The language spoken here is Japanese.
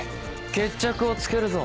決着をつけるぞ。